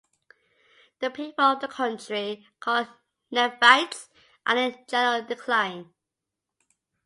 The people of the country, called the Nephites, are in general decline.